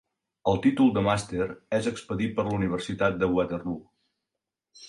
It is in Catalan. El títol de màster és expedit per la Universitat de Waterloo.